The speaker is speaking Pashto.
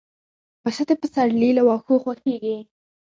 پسه د پسرلي له واښو خوښيږي.